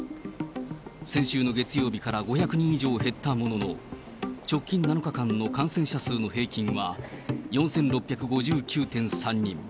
先週の月曜日から５００人以上減ったものの、直近７日間の感染者数の平均は４６５９．３人。